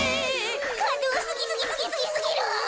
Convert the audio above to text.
かんどうすぎすぎすぎすぎすぎる。